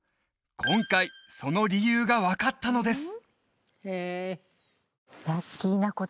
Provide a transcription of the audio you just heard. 今回その理由が分かったのです